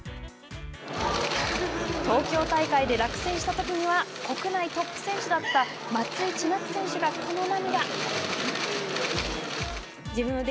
東京大会で落選したときには国内トップ選手だった松井千夏選手が、この涙。